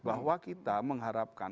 bahwa kita mengharapkan